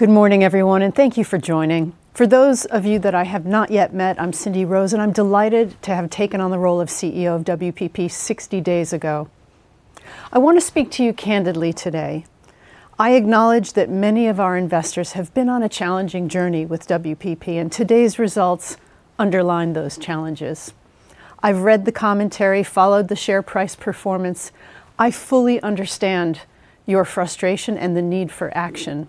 Good morning, everyone, and thank you for joining. For those of you that I have not yet met, I'm Cindy Rose, and I'm delighted to have taken on the role of CEO of WPP 60 days ago. I want to speak to you candidly today. I acknowledge that many of our investors have been on a challenging journey with WPP, and today's results underline those challenges. I've read the commentary, followed the share price performance. I fully understand your frustration and the need for action.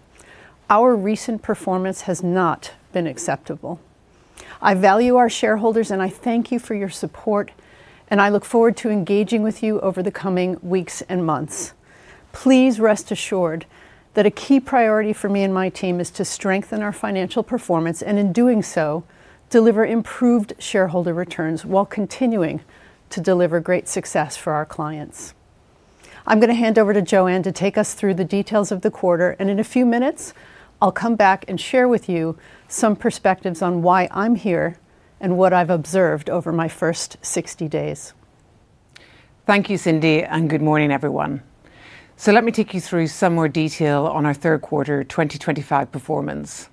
Our recent performance has not been acceptable. I value our shareholders, and I thank you for your support, and I look forward to engaging with you over the coming weeks and months. Please rest assured that a key priority for me and my team is to strengthen our financial performance and, in doing so, deliver improved shareholder returns while continuing to deliver great success for our clients. I'm going to hand over to Joanne to take us through the details of the quarter, and in a few minutes, I'll come back and share with you some perspectives on why I'm here and what I've observed over my first 60 days. Thank you, Cindy, and good morning, everyone. Let me take you through some more detail on our third quarter 2025 performance.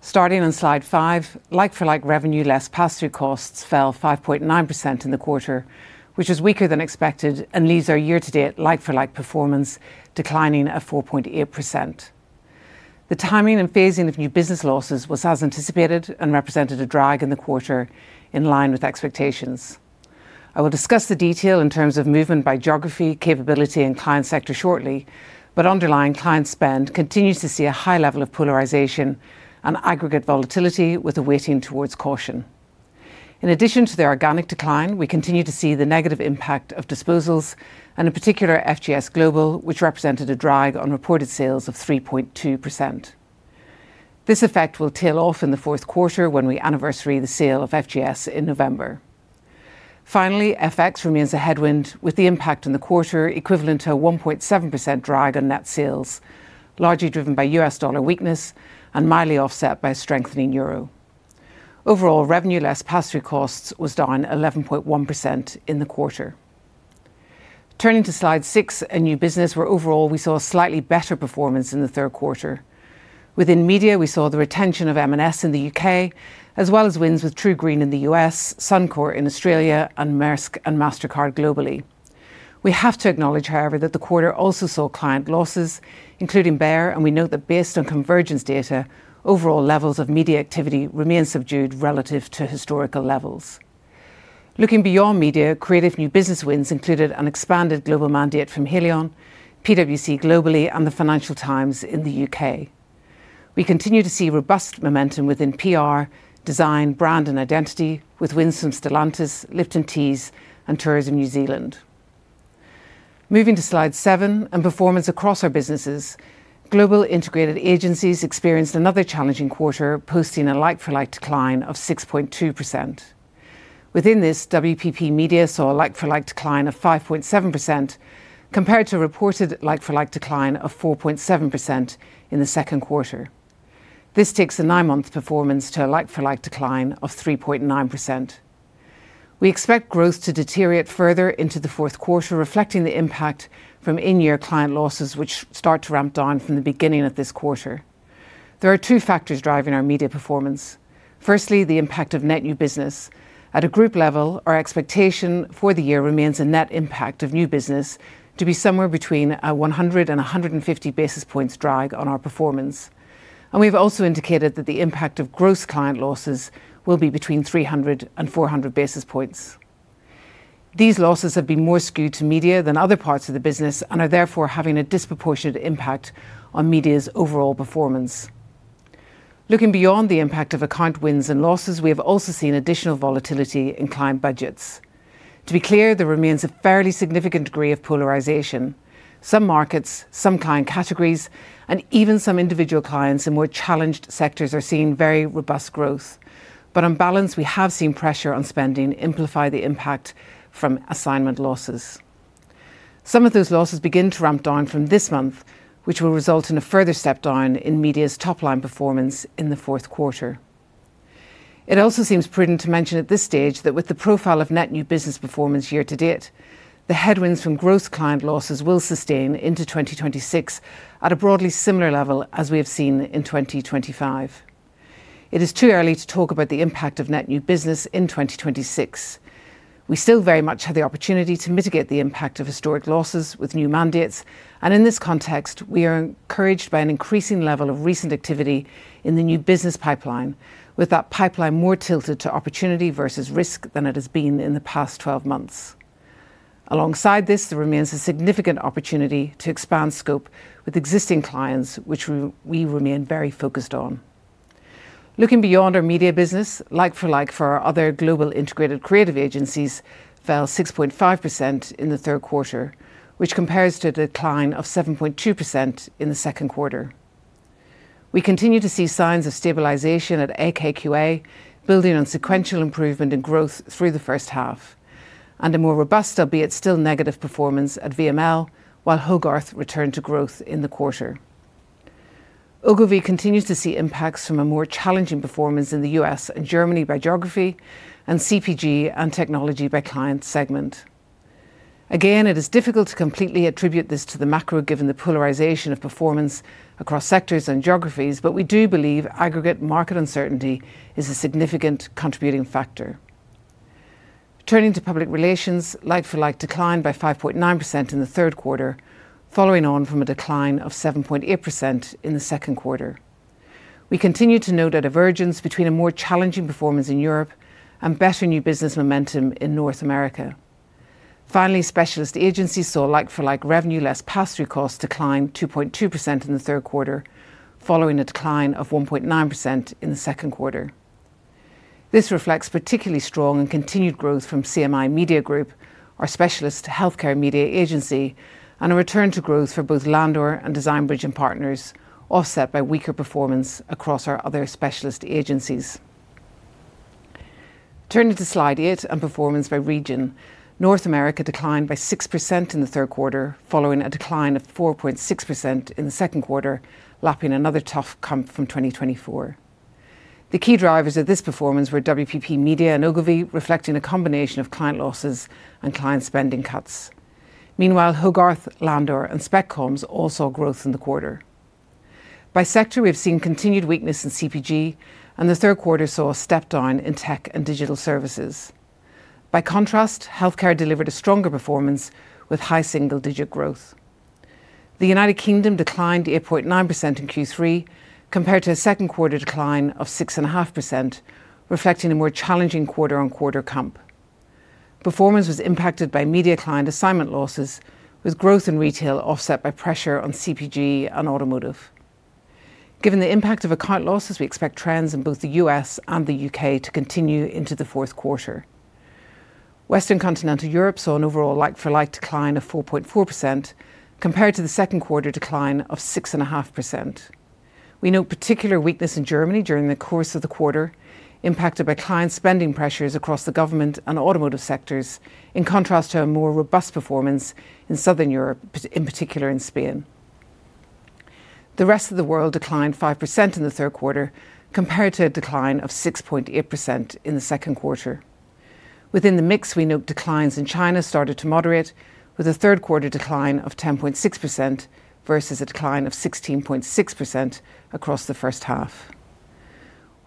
Starting on slide five, like-for-like revenue less pass-through costs fell 5.9% in the quarter, which was weaker than expected and leaves our year-to-date like-for-like performance declining at 4.8%. The timing and phasing of new business losses was as anticipated and represented a drag in the quarter in line with expectations. I will discuss the detail in terms of movement by geography, capability, and client sector shortly, but underlying client spend continues to see a high level of polarization and aggregate volatility with a weighting towards caution. In addition to the organic decline, we continue to see the negative impact of disposals and in particular FGS Global, which represented a drag on reported sales of 3.2%. This effect will tail off in the fourth quarter when we anniversary the sale of FGS in November. Finally, FX remains a headwind with the impact in the quarter equivalent to a 1.7% drag on net sales, largely driven by U.S. dollar weakness and mildly offset by a strengthening euro. Overall, revenue less pass-through costs was down 11.1% in the quarter. Turning to slide six and new business, where overall we saw a slightly better performance in the third quarter. Within media, we saw the retention of M&S in the U.K., as well as wins with TruGreen in the U.S., Suncorp in Australia, and Maersk and Mastercard globally. We have to acknowledge, however, that the quarter also saw client losses, including Bayer, and we note that based on convergence data, overall levels of media activity remain subdued relative to historical levels. Looking beyond media, creative new business wins included an expanded global mandate from Haleon, PwC globally, and the Financial Times in the U.K.. We continue to see robust momentum within PR, design, brand, and identity, with wins from Stellantis, Lipton Teas, and Tourism New Zealand. Moving to slide seven and performance across our businesses, global integrated agencies experienced another challenging quarter, posting a like-for-like decline of 6.2%. Within this, WPP media saw a like-for-like decline of 5.7% compared to a reported like-for-like decline of 4.7% in the second quarter. This takes a nine-month performance to a like-for-like decline of 3.9%. We expect growth to deteriorate further into the fourth quarter, reflecting the impact from in-year client losses, which start to ramp down from the beginning of this quarter. There are two factors driving our media performance. Firstly, the impact of net new business. At a group level, our expectation for the year remains a net impact of new business to be somewhere between a 100 and 150 basis points drag on our performance. We've also indicated that the impact of gross client losses will be between 300 and 400 basis points. These losses have been more skewed to media than other parts of the business and are therefore having a disproportionate impact on media's overall performance. Looking beyond the impact of account wins and losses, we have also seen additional volatility in client budgets. To be clear, there remains a fairly significant degree of polarization. Some markets, some client categories, and even some individual clients in more challenged sectors are seeing very robust growth. On balance, we have seen pressure on spending amplify the impact from assignment losses. Some of those losses begin to ramp down from this month, which will result in a further step down in media's top-line performance in the fourth quarter. It also seems prudent to mention at this stage that with the profile of net new business performance year to date, the headwinds from gross client losses will sustain into 2026 at a broadly similar level as we have seen in 2025. It is too early to talk about the impact of net new business in 2026. We still very much have the opportunity to mitigate the impact of historic losses with new mandates, and in this context, we are encouraged by an increasing level of recent activity in the new business pipeline, with that pipeline more tilted to opportunity versus risk than it has been in the past 12 months. Alongside this, there remains a significant opportunity to expand scope with existing clients, which we remain very focused on. Looking beyond our media business, like-for-like for our other global integrated creative agencies fell 6.5% in the third quarter, which compares to a decline of 7.2% in the second quarter. We continue to see signs of stabilization at AKQA, building on sequential improvement in growth through the first half, and a more robust, albeit still negative performance at VML, while Hogarth returned to growth in the quarter. Ogilvy continues to see impacts from a more challenging performance in the U.S. and Germany by geography and CPG and technology by client segment. Again, it is difficult to completely attribute this to the macro, given the polarization of performance across sectors and geographies, but we do believe aggregate market uncertainty is a significant contributing factor. Turning to public relations, like-for-like declined by 5.9% in the third quarter, following on from a decline of 7.8% in the second quarter. We continue to note a divergence between a more challenging performance in Europe and better new business momentum in North America. Finally, specialist agencies saw like-for-like revenue less pass-through costs decline 2.2% in the third quarter, following a decline of 1.9% in the second quarter. This reflects particularly strong and continued growth from CMI Media Group, our specialist healthcare media agency, and a return to growth for both Landor and Design Bridge and Partners, offset by weaker performance across our other specialist agencies. Turning to slide eight and performance by region, North America declined by 6% in the third quarter, following a decline of 4.6% in the second quarter, lapping another tough comp from 2024. The key drivers of this performance were WPP Media and Ogilvy, reflecting a combination of client losses and client spending cuts. Meanwhile, Hogarth, Landor, and Spec Comms all saw growth in the quarter. By sector, we've seen continued weakness in CPG, and the third quarter saw a step down in tech and digital services. By contrast, healthcare delivered a stronger performance with high single-digit growth. The U.K. declined 8.9% in Q3, compared to a second quarter decline of 6.5%, reflecting a more challenging quarter-on-quarter comp. Performance was impacted by media client assignment losses, with growth in retail offset by pressure on CPG and automotive. Given the impact of account losses, we expect trends in both the U.S. and the U.K. to continue into the fourth quarter. Western continental Europe saw an overall like-for-like decline of 4.4%, compared to the second quarter decline of 6.5%. We note particular weakness in Germany during the course of the quarter, impacted by client spending pressures across the government and automotive sectors, in contrast to a more robust performance in southern Europe, in particular in Spain. The rest of the world declined 5% in the third quarter, compared to a decline of 6.8% in the second quarter. Within the mix, we note declines in China started to moderate, with a third quarter decline of 10.6% versus a decline of 16.6% across the first half.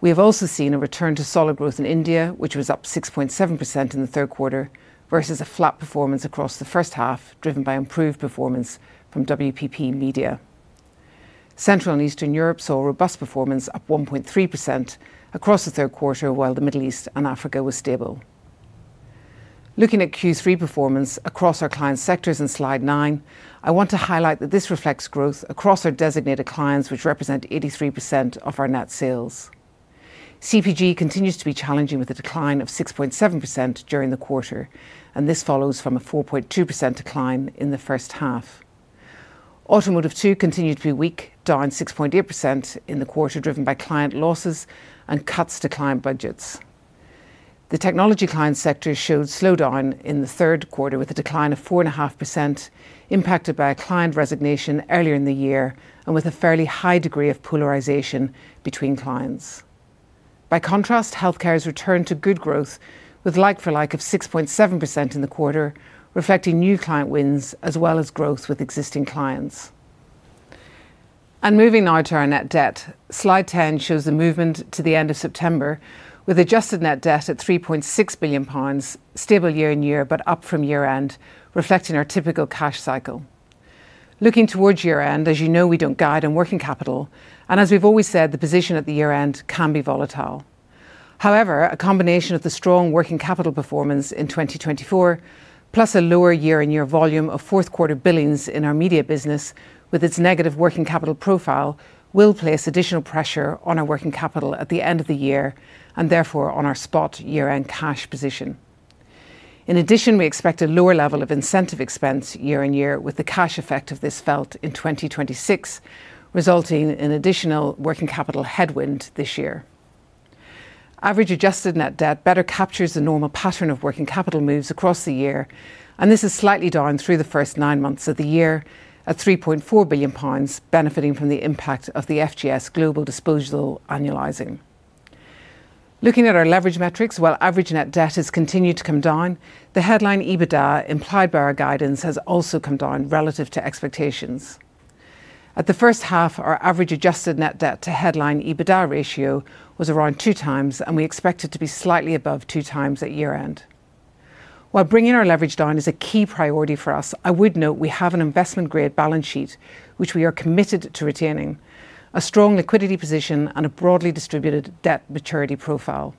We have also seen a return to solid growth in India, which was up 6.7% in the third quarter, versus a flat performance across the first half, driven by improved performance from WPP Media. Central and Eastern Europe saw robust performance, up 1.3% across the third quarter, while the Middle East and Africa were stable. Looking at Q3 performance across our client sectors in slide nine, I want to highlight that this reflects growth across our designated clients, which represent 83% of our net sales. CPG continues to be challenging with a decline of 6.7% during the quarter, and this follows from a 4.2% decline in the first half. Automotive too continues to be weak, down 6.8% in the quarter, driven by client losses and cuts to client budgets. The technology client sector showed slowdown in the third quarter, with a decline of 4.5%, impacted by a client resignation earlier in the year, and with a fairly high degree of polarization between clients. By contrast, healthcare has returned to good growth, with a like-for-like of 6.7% in the quarter, reflecting new client wins as well as growth with existing clients. Moving now to our net debt, slide 10 shows the movement to the end of September, with adjusted net debt at 3.6 billion pounds, stable year-on-year, but up from year-end, reflecting our typical cash cycle. Looking towards year-end, as you know, we don't guide on working capital, and as we've always said, the position at the year-end can be volatile. However, a combination of the strong working capital performance in 2024, plus a lower year-on-year volume of fourth-quarter billings in our media business, with its negative working capital profile, will place additional pressure on our working capital at the end of the year, and therefore on our spot year-end cash position. In addition, we expect a lower level of incentive expense year-on-year, with the cash effect of this felt in 2026, resulting in an additional working capital headwind this year. Average adjusted net debt better captures the normal pattern of working capital moves across the year, and this is slightly down through the first nine months of the year at 3.4 billion pounds, benefiting from the impact of the FGS Global disposal annualizing. Looking at our leverage metrics, while average net debt has continued to come down, the headline EBITDA implied by our guidance has also come down relative to expectations. At the first half, our average adjusted net debt to headline EBITDA ratio was around two times, and we expect it to be slightly above two times at year-end. While bringing our leverage down is a key priority for us, I would note we have an investment-grade balance sheet, which we are committed to retaining, a strong liquidity position, and a broadly distributed debt maturity profile.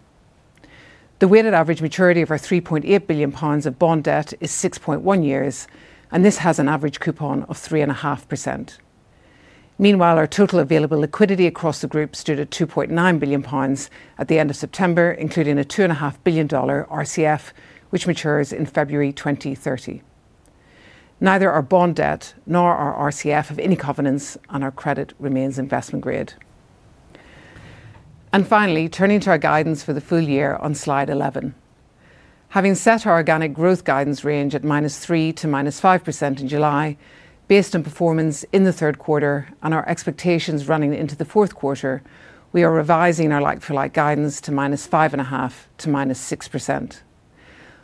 The weighted average maturity of our 3.8 billion pounds of bond debt is 6.1 years, and this has an average coupon of 3.5%. Meanwhile, our total available liquidity across the group stood at 2.9 billion pounds at the end of September, including a $2.5 billion RCF, which matures in February 2030. Neither our bond debt nor our RCF have any covenants, and our credit remains investment-grade. Finally, turning to our guidance for the full year on slide 11. Having set our organic growth guidance range at -3% to -5% in July, based on performance in the third quarter and our expectations running into the fourth quarter, we are revising our like-for-like guidance to -5.5% to -6%.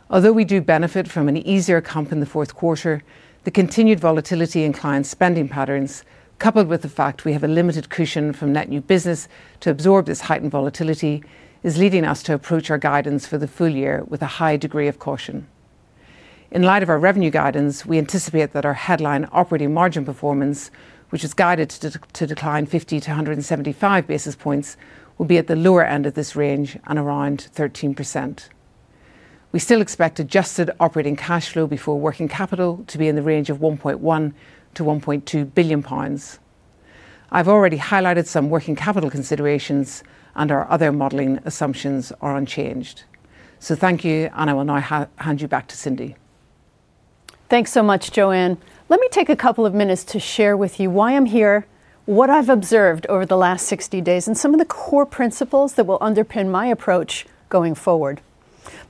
Although we do benefit from an easier comp in the fourth quarter, the continued volatility in client spending patterns, coupled with the fact we have a limited cushion from net new business to absorb this heightened volatility, is leading us to approach our guidance for the full year with a high degree of caution. In light of our revenue guidance, we anticipate that our headline operating margin performance, which is guided to decline 50 - 175 basis points, will be at the lower end of this range and around 13%. We still expect adjusted operating cash flow before working capital to be in the range of 1.1 billion - 1.2 billion pounds. I've already highlighted some working capital considerations, and our other modeling assumptions are unchanged. Thank you, and I will now hand you back to Cindy. Thanks so much, Joanne. Let me take a couple of minutes to share with you why I'm here, what I've observed over the last 60 days, and some of the core principles that will underpin my approach going forward.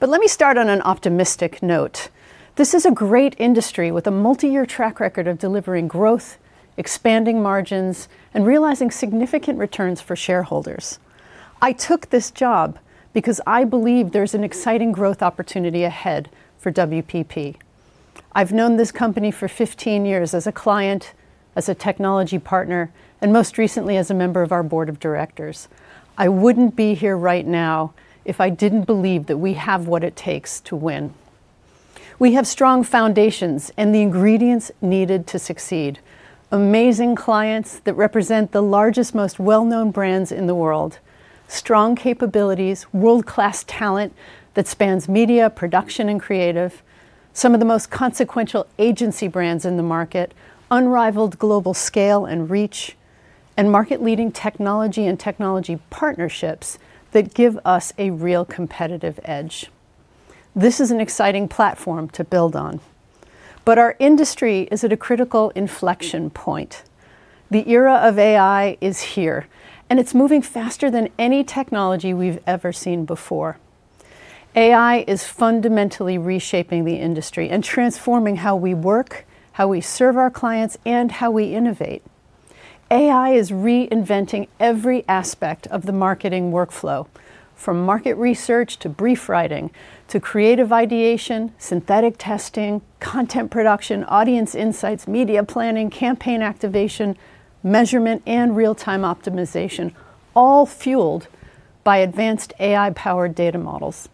Let me start on an optimistic note. This is a great industry with a multi-year track record of delivering growth, expanding margins, and realizing significant returns for shareholders. I took this job because I believe there's an exciting growth opportunity ahead for WPP. I've known this company for 15 years as a client, as a technology partner, and most recently as a member of our board of directors. I wouldn't be here right now if I didn't believe that we have what it takes to win. We have strong foundations and the ingredients needed to succeed: amazing clients that represent the largest, most well-known brands in the world, strong capabilities, world-class talent that spans media, production, and creative, some of the most consequential agency brands in the market, unrivaled global scale and reach, and market-leading technology and technology partnerships that give us a real competitive edge. This is an exciting platform to build on. Our industry is at a critical inflection point. The era of AI is here, and it's moving faster than any technology we've ever seen before. AI is fundamentally reshaping the industry and transforming how we work, how we serve our clients, and how we innovate. AI is reinventing every aspect of the marketing workflow, from market research to brief writing to creative ideation, synthetic testing, content production, audience insights, media planning, campaign activation, measurement, and real-time optimization, all fueled by advanced AI-powered data models.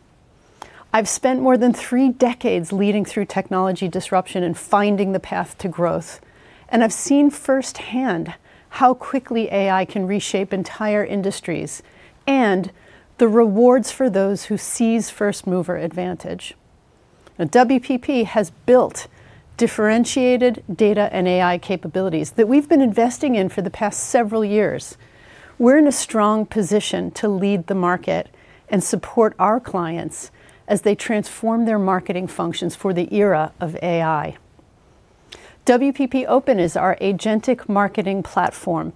I've spent more than three decades leading through technology disruption and finding the path to growth, and I've seen firsthand how quickly AI can reshape entire industries and the rewards for those who seize first-mover advantage. WPP has built differentiated data and AI capabilities that we've been investing in for the past several years. We're in a strong position to lead the market and support our clients as they transform their marketing functions for the era of AI. WPP Open is our agentic marketing platform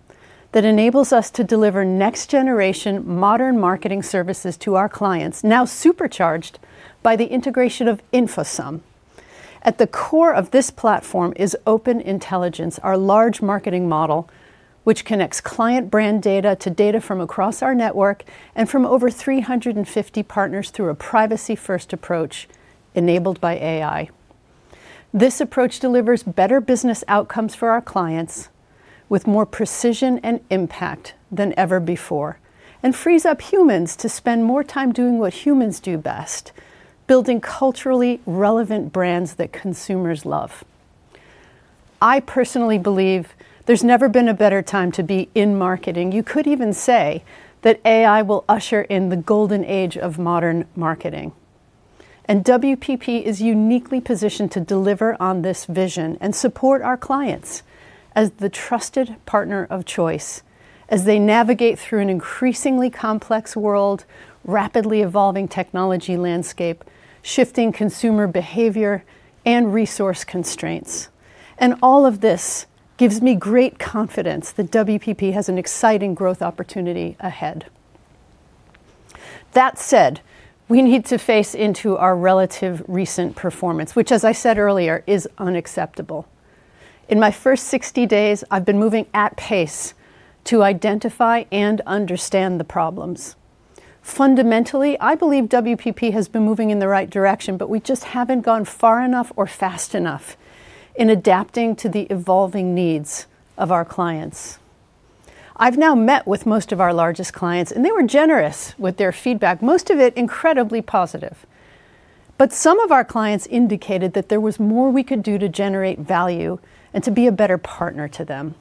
that enables us to deliver next-generation modern marketing services to our clients, now supercharged by the integration of InfoSum. At the core of this platform is Open Intelligence, our large marketing model, which connects client brand data to data from across our network and from over 350 partners through a privacy-first approach enabled by AI. This approach delivers better business outcomes for our clients with more precision and impact than ever before and frees up humans to spend more time doing what humans do best: building culturally relevant brands that consumers love. I personally believe there's never been a better time to be in marketing. You could even say that AI will usher in the golden age of modern marketing. WPP is uniquely positioned to deliver on this vision and support our clients as the trusted partner of choice as they navigate through an increasingly complex world, rapidly evolving technology landscape, shifting consumer behavior, and resource constraints. All of this gives me great confidence that WPP has an exciting growth opportunity ahead. That said, we need to face into our relative recent performance, which, as I said earlier, is unacceptable. In my first 60 days, I've been moving at pace to identify and understand the problems. Fundamentally, I believe WPP has been moving in the right direction, but we just haven't gone far enough or fast enough in adapting to the evolving needs of our clients. I've now met with most of our largest clients, and they were generous with their feedback, most of it incredibly positive. Some of our clients indicated that there was more we could do to generate value and to be a better partner to them.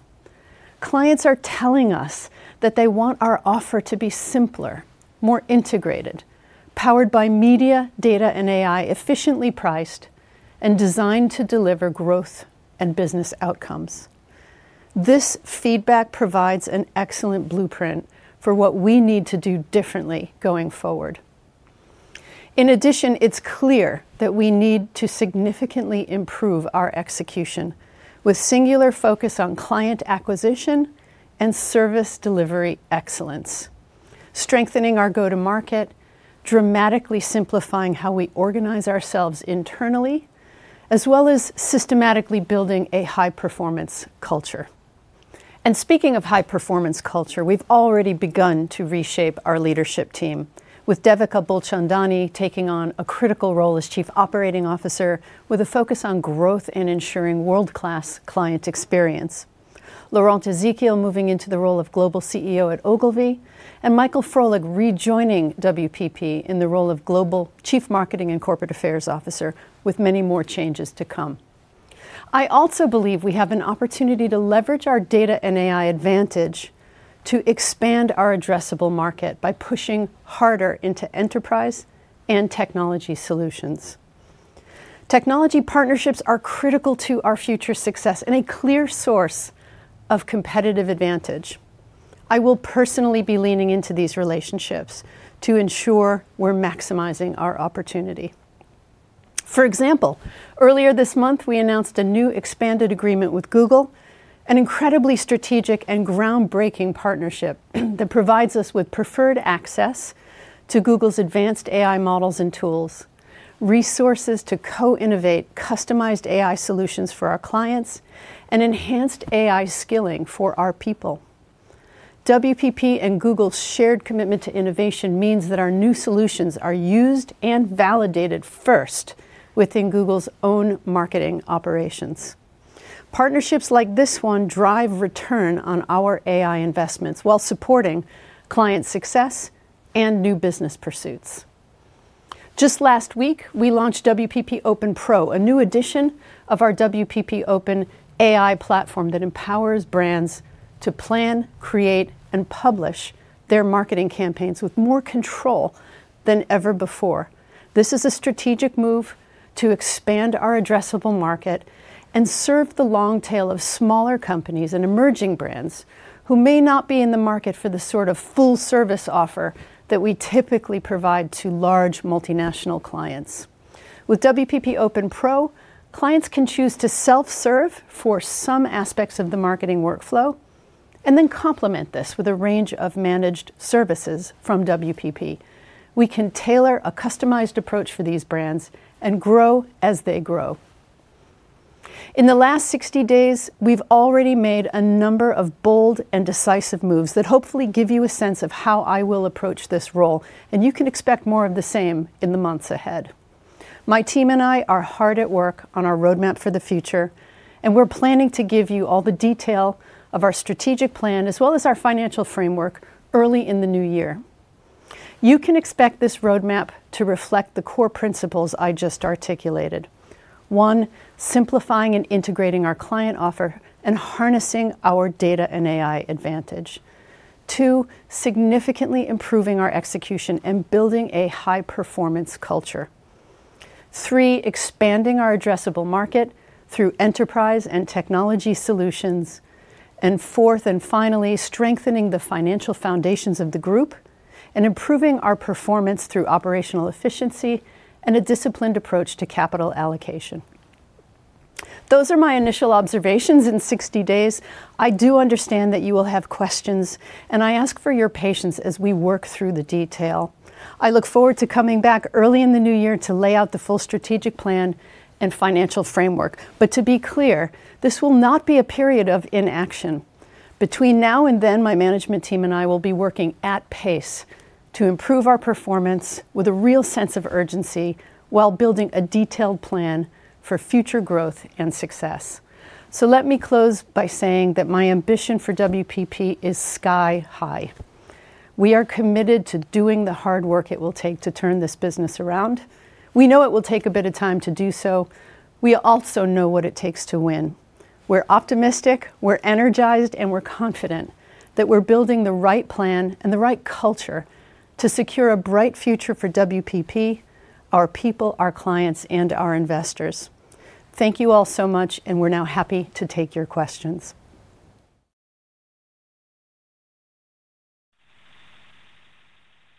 Clients are telling us that they want our offer to be simpler, more integrated, powered by media, data, and AI, efficiently priced, and designed to deliver growth and business outcomes. This feedback provides an excellent blueprint for what we need to do differently going forward. In addition, it's clear that we need to significantly improve our execution with singular focus on client acquisition and service delivery excellence, strengthening our go-to-market, dramatically simplifying how we organize ourselves internally, as well as systematically building a high-performance culture. Speaking of high-performance culture, we've already begun to reshape our leadership team, with Devika Bulchandani taking on a critical role as Chief Operating Officer, with a focus on growth and ensuring world-class client experience. Laurent Ezekiel moving into the role of Global CEO at Ogilvy, and Michael Frohlich rejoining WPP in the role of Global Chief Marketing and Corporate Affairs Officer, with many more changes to come. I also believe we have an opportunity to leverage our data and AI advantage to expand our addressable market by pushing harder into enterprise and technology solutions. Technology partnerships are critical to our future success and a clear source of competitive advantage. I will personally be leaning into these relationships to ensure we're maximizing our opportunity. For example, earlier this month, we announced a new expanded agreement with Google, an incredibly strategic and groundbreaking partnership that provides us with preferred access to Google's advanced AI models and tools, resources to co-innovate customized AI solutions for our clients, and enhanced AI skilling for our people. WPP and Google's shared commitment to innovation means that our new solutions are used and validated first within Google's own marketing operations. Partnerships like this one drive return on our AI investments while supporting client success and new business pursuits. Just last week, we launched WPP Open Pro, a new edition of our WPP Open AI platform that empowers brands to plan, create, and publish their marketing campaigns with more control than ever before. This is a strategic move to expand our addressable market and serve the long tail of smaller companies and emerging brands who may not be in the market for the sort of full-service offer that we typically provide to large multinational clients. With WPP Open Pro, clients can choose to self-serve for some aspects of the marketing workflow and then complement this with a range of managed services from WPP. We can tailor a customized approach for these brands and grow as they grow. In the last 60 days, we've already made a number of bold and decisive moves that hopefully give you a sense of how I will approach this role, and you can expect more of the same in the months ahead. My team and I are hard at work on our roadmap for the future, and we're planning to give you all the detail of our strategic plan, as well as our financial framework, early in the new year. You can expect this roadmap to reflect the core principles I just articulated: one, simplifying and integrating our client offer and harnessing our data and AI advantage; two, significantly improving our execution and building a high-performance culture; three, expanding our addressable market through enterprise and technology solutions; and fourth and finally, strengthening the financial foundations of the group and improving our performance through operational efficiency and a disciplined approach to capital allocation. Those are my initial observations in 60 days. I do understand that you will have questions, and I ask for your patience as we work through the detail. I look forward to coming back early in the new year to lay out the full strategic plan and financial framework. To be clear, this will not be a period of inaction. Between now and then, my management team and I will be working at pace to improve our performance with a real sense of urgency while building a detailed plan for future growth and success. Let me close by saying that my ambition for WPP is sky-high. We are committed to doing the hard work it will take to turn this business around. We know it will take a bit of time to do so. We also know what it takes to win. We're optimistic, we're energized, and we're confident that we're building the right plan and the right culture to secure a bright future for WPP, our people, our clients, and our investors. Thank you all so much, and we're now happy to take your questions.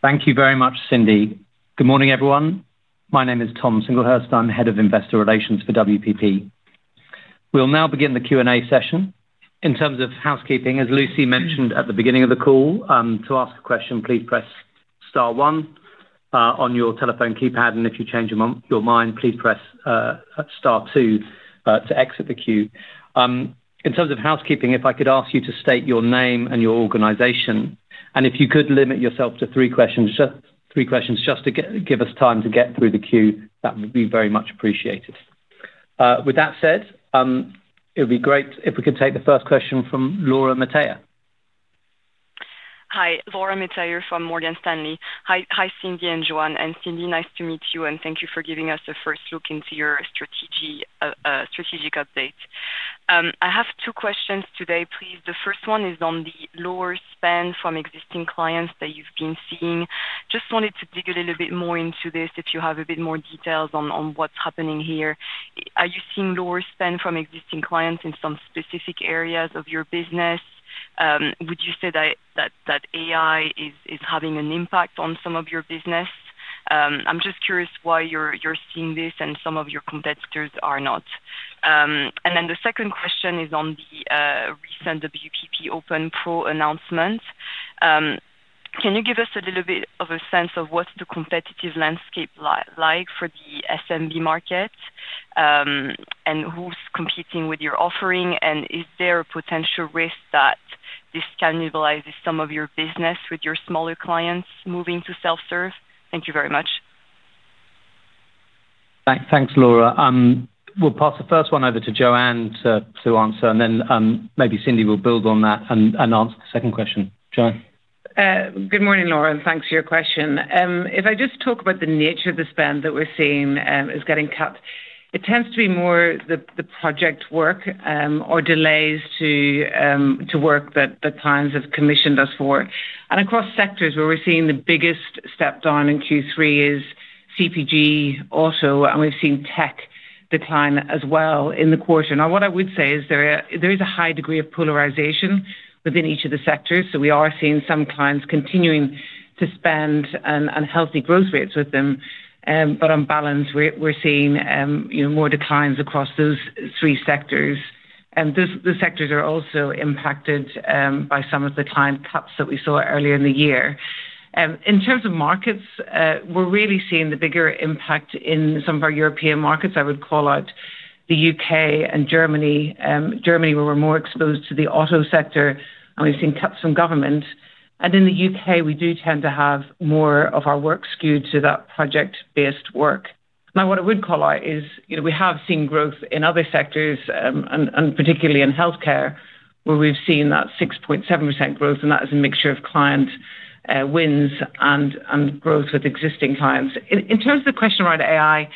Thank you very much, Cindy. Good morning, everyone. My name is Tom Singlehurst. I'm Head of Investor Relations for WPP. We'll now begin the Q&A session. In terms of housekeeping, as Lucy mentioned at the beginning of the call, to ask a question, please press star one on your telephone keypad, and if you change your mind, please press star two to exit the queue. In terms of housekeeping, if I could ask you to state your name and your organization, and if you could limit yourself to three questions, just to give us time to get through the queue, that would be very much appreciated. With that said, it would be great if we could take the first question from Laura Metayer. Hi, Laura Metayer from Morgan Stanley. Hi, Cindy and Joanne. Cindy, nice to meet you, and thank you for giving us a first look into your strategic update. I have two questions today, please. The first one is on the lower spend from existing clients that you've been seeing. I just wanted to dig a little bit more into this if you have a bit more details on what's happening here. Are you seeing lower spend from existing clients in some specific areas of your business? Would you say that AI is having an impact on some of your business? I'm just curious why you're seeing this and some of your competitors are not. The second question is on the recent WPP Open Pro announcement. Can you give us a little bit of a sense of what's the competitive landscape like for the SMB market and who's competing with your offering, and is there a potential risk that this cannibalizes some of your business with your smaller clients moving to self-serve? Thank you very much. Thanks, Laura. We'll pass the first one over to Joanne to answer, and then maybe Cindy will build on that and answer the second question. Joanne. Good morning, Laura, and thanks for your question. If I just talk about the nature of the spend that we're seeing is getting cut, it tends to be more the project work or delays to work that clients have commissioned us for. Across sectors, where we're seeing the biggest step down in Q3 is CPG, auto, and we've seen tech decline as well in the quarter. Now, what I would say is there is a high degree of polarization within each of the sectors. We are seeing some clients continuing to spend and healthy growth rates with them. On balance, we're seeing more declines across those three sectors. Those sectors are also impacted by some of the client cuts that we saw earlier in the year. In terms of markets, we're really seeing the bigger impact in some of our European markets. I would call out the U.K. and Germany. Germany, where we're more exposed to the auto sector, and we've seen cuts from government. In the U.K., we do tend to have more of our work skewed to that project-based work. What I would call out is we have seen growth in other sectors, and particularly in healthcare, where we've seen that 6.7% growth, and that is a mixture of client wins and growth with existing clients. In terms of the question around AI,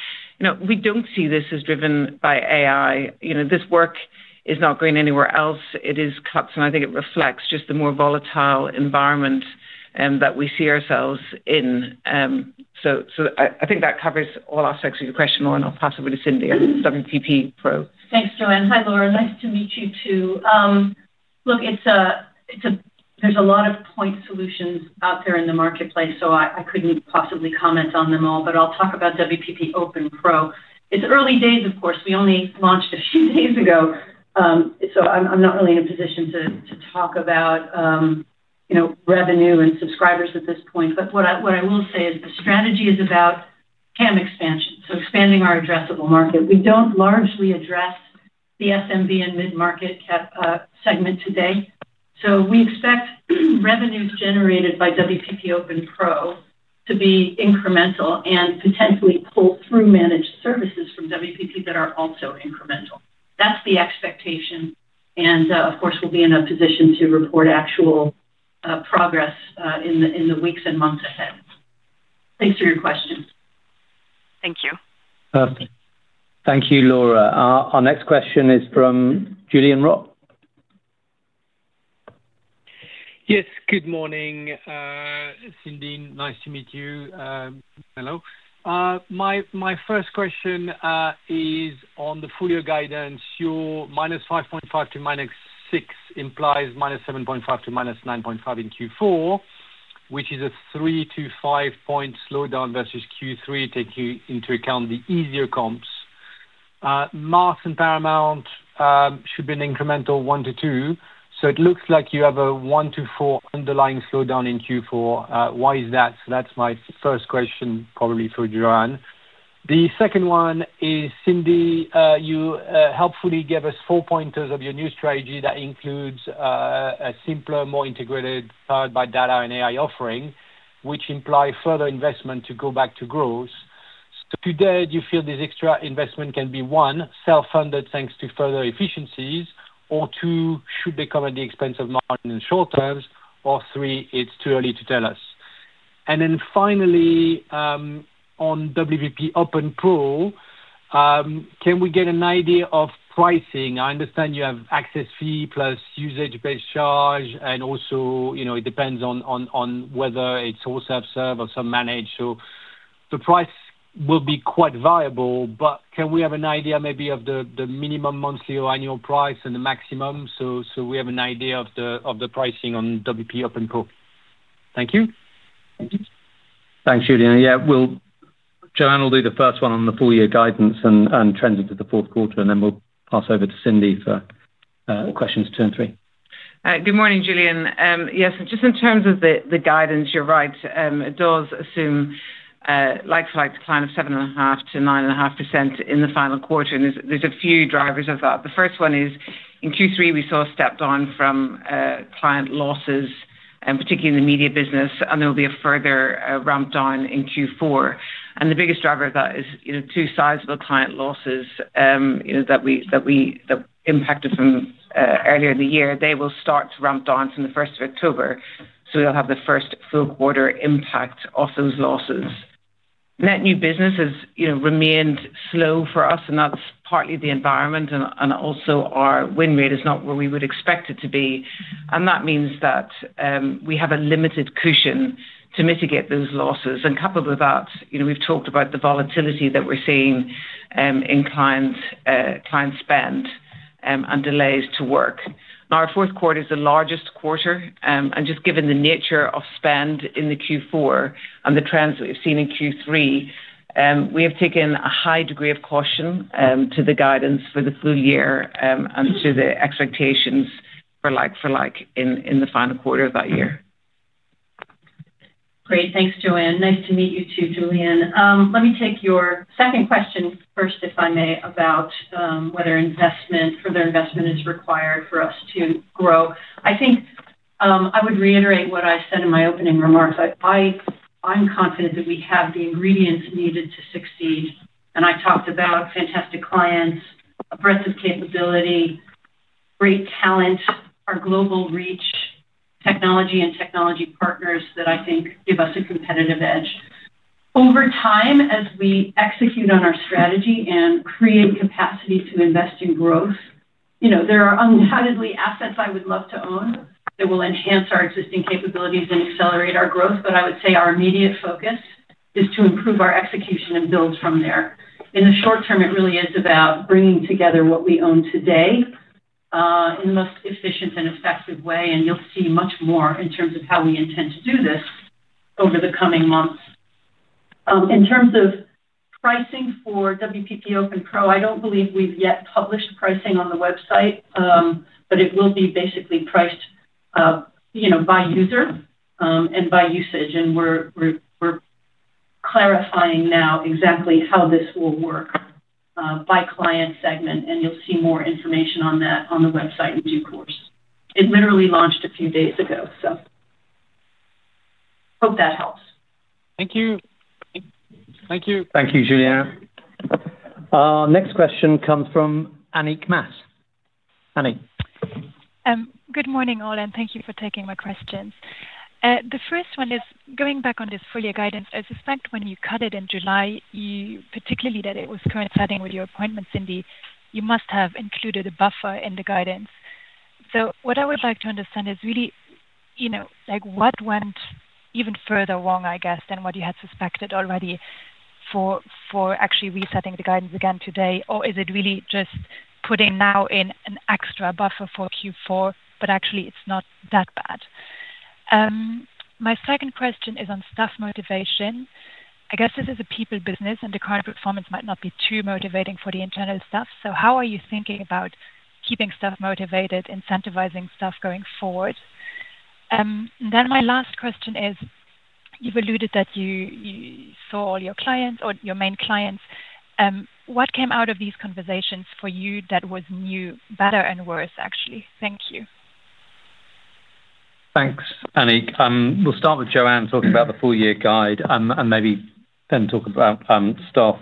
we don't see this as driven by AI. This work is not going anywhere else. It is cuts, and I think it reflects just the more volatile environment that we see ourselves in. I think that covers all aspects of your question, Laura, and I'll pass over to Cindy at WPP Open Pro. Thanks, Joanne. Hi, Laura. Nice to meet you too. Look, there's a lot of point solutions out there in the marketplace, so I couldn't possibly comment on them all, but I'll talk about WPP Open Pro. It's early days, of course. We only launched a few days ago, so I'm not really in a position to talk about revenue and subscribers at this point. What I will say is the strategy is about TAM expansion, expanding our addressable market. We don't largely address the SMB and mid-market segment today. We expect revenues generated by WPP Open Pro to be incremental and potentially pull through managed services from WPP that are also incremental. That's the expectation, and we'll be in a position to report actual progress in the weeks and months ahead. Thanks for your question. Thank you. Thank you, Laura. Our next question is from Julien Roch. Yes, good morning, Cindy. Nice to meet you. Hello. My first question is on the full year guidance. Your -5.5% to -6% implies -7.5% to -9.5% in Q4, which is a 3 - 5 point slowdown versus Q3, taking into account the easier comps. Mars and Paramount should be an incremental 1% - 2%, so it looks like you have a 1% - 4% underlying slowdown in Q4. Why is that? That's my first question, probably for Joanne. The second one is, Cindy, you helpfully gave us four pointers of your new strategy that includes a simpler, more integrated, powered by data and AI offering, which implies further investment to go back to growth. Today, do you feel this extra investment can be, one, self-funded thanks to further efficiencies, or two, should they come at the expense of margin in short term, or three, it's too early to tell us? Finally, on WPP Open Pro, can we get an idea of pricing? I understand you have access fee plus usage-based charge, and also, you know, it depends on whether it's all self-serve or self-managed. The price will be quite variable, but can we have an idea maybe of the minimum monthly or annual price and the maximum so we have an idea of the pricing on WPP Open Pro? Thank you. Thanks, Julien. Yeah, Joanne will do the first one on the full year guidance and trends into the fourth quarter, and then we'll pass over to Cindy for questions two and three. Good morning, Julian. Yes, just in terms of the guidance, you're right. It does assume a like-for-like decline of 7.5% - 9.5% in the final quarter, and there's a few drivers of that. The first one is in Q3, we saw a step down from client losses, particularly in the media business, and there will be a further ramp down in Q4. The biggest driver of that is two sizable client losses that we impacted from earlier in the year. They will start to ramp down from the 1st of October, so we'll have the first full quarter impact of those losses. Net new business has remained slow for us, that's partly the environment, and also our win rate is not where we would expect it to be. That means that we have a limited cushion to mitigate those losses. Coupled with that, we've talked about the volatility that we're seeing in client spend and delays to work. Our fourth quarter is the largest quarter, and just given the nature of spend in Q4 and the trends that we've seen in Q3, we have taken a high degree of caution to the guidance for the full year and to the expectations for like-for-like in the final quarter of that year. Great. Thanks, Joanne. Nice to meet you too, Julien. Let me take your second question first, if I may, about whether further investment is required for us to grow. I think I would reiterate what I said in my opening remarks. I'm confident that we have the ingredients needed to succeed, and I talked about fantastic clients, a breadth of capability, great talent, our global reach, technology and technology partners that I think give us a competitive edge. Over time, as we execute on our strategy and create capacity to invest in growth, there are undoubtedly assets I would love to own that will enhance our existing capabilities and accelerate our growth, but I would say our immediate focus is to improve our execution and build from there. In the short term, it really is about bringing together what we own today in the most efficient and effective way, and you'll see much more in terms of how we intend to do this over the coming months. In terms of pricing for WPP Open Pro, I don't believe we've yet published pricing on the website, but it will be basically priced by user and by usage, and we're clarifying now exactly how this will work by client segment, and you'll see more information on that on the website in due course. It literally launched a few days ago, so hope that helps. Thank you. Thank you. Thank you, Julien. Next question comes from Annick Maas. Annick. Good morning, all, and thank you for taking my questions. The first one is going back on this full year guidance. I suspect when you cut it in July, particularly that it was coinciding with your appointment, Cindy, you must have included a buffer in the guidance. What I would like to understand is really, you know, like what went even further wrong, I guess, than what you had suspected already for actually resetting the guidance again today, or is it really just putting now in an extra buffer for Q4, but actually it's not that bad? My second question is on staff motivation. I guess this is a people business, and the current performance might not be too motivating for the internal staff. How are you thinking about keeping staff motivated, incentivizing staff going forward? My last question is, you've alluded that you saw all your clients or your main clients. What came out of these conversations for you that was new, better, and worse, actually? Thank you. Thanks, Annick. We'll start with Joanne talking about the full year guide, maybe then talk about staff